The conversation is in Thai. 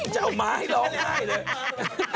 จะเอาม้าให้ร้องไห้เลย